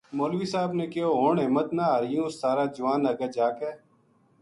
مولوی صاحب نے کہیو ہن ہمت نہ ہاریو سارا جوان اگے جا کے